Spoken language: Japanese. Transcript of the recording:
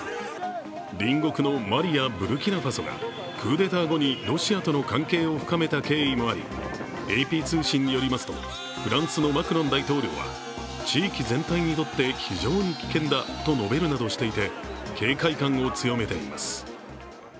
隣国のマリやブルキナファソがクーデター後にロシアとの関係を深めた経緯もあり、ＡＰ通信によりますとフランスのマクロン大統領は地域全体にとって非常に危険だと述べるなどしていて、警戒感を強めています。